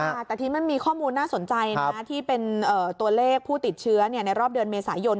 แต่ทีนี้มันมีข้อมูลน่าสนใจนะที่เป็นตัวเลขผู้ติดเชื้อในรอบเดือนเมษายน